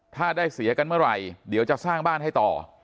ถ้าได้เสียกันเมื่อไหร่เดี๋ยวจะสร้างบ้านให้ต่อ